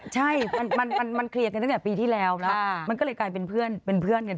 ใช่มันเคลียร์กันตั้งแต่ปีที่แล้วแล้วมันก็เลยกลายเป็นเพื่อนเป็นเพื่อนกัน